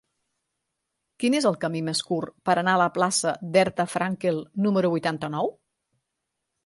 Quin és el camí més curt per anar a la plaça d'Herta Frankel número vuitanta-nou?